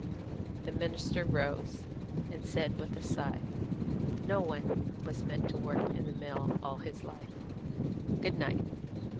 The minister rose, and said, with a sigh: "No one was meant to work in a mill all his life. Good night."